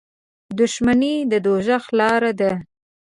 • دښمني د دوزخ لاره ده.